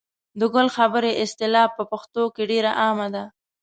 د ګل خبرې اصطلاح په پښتو کې ډېره عامه ده.